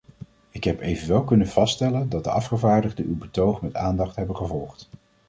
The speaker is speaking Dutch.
Ik heb evenwel kunnen vaststellen dat de afgevaardigden uw betoog met aandacht hebben gevolgd.